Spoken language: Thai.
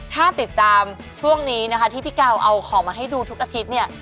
ถ้าติดตามช่วงนี้นะคะที่พี่กาวเอาของมาให้ดูทุกอาทิตย์เนี่ย